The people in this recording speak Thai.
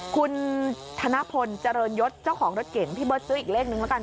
คุณธนพลเจริญยศเจ้าของรถเก่งพี่เบิร์ตซื้ออีกเลขนึงแล้วกัน